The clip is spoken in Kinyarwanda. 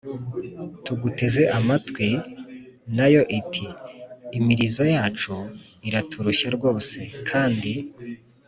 “Tuguteze amatwi.” Na yo iti: “Imirizo yacu iraturushya rwose. Kandi